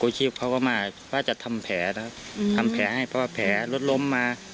โกรธชีพเขาก็มาว่าจะทำแผลทำแผลให้พ่อแผลรถล้มมา